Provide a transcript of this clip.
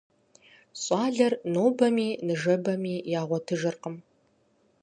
ЩӀалэр нобэми ныжэбэми ягъуэтыжыркъым.